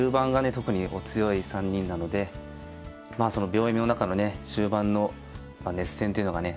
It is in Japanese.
特にお強い３人なのでまあその秒読みの中のね終盤の熱戦っていうのがね